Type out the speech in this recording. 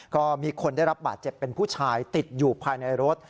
ก็มีคนได้รับบาดเจ็บเป็นผู้ชายติดอยู่ภายในรถ